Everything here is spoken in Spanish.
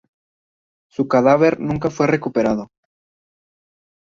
Su cadáver nunca fue recuperado.